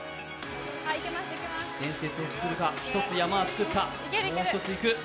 伝説を作るか、１つ山は作った、もう１ついく。